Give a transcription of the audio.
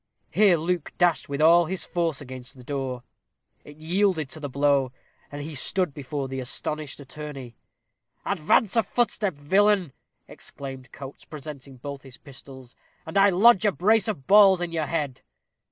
Here Luke dashed with all his force against the door. It yielded to the blow, and he stood before the astonished attorney. "Advance a footstep, villain," exclaimed Coates, presenting both his pistols, "and I lodge a brace of balls in your head."